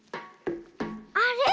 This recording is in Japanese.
あれ？